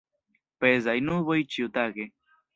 Pezaj nuboj ĉiutage.